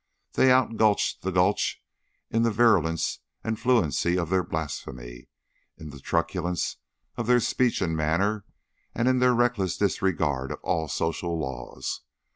They outgulched the Gulch in the virulence and fluency of their blasphemy, in the truculence of their speech and manner, and in their reckless disregard of all social laws.